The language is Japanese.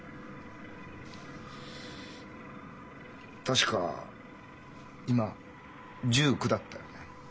確か今１９だったよね？